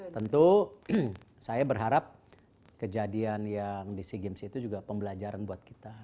tentu saya berharap kejadian yang di sea games itu juga pembelajaran buat kita